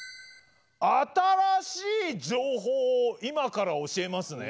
新しい情報を今から教えますね。